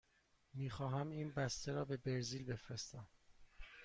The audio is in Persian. می خواهم این بسته را به برزیل بفرستم.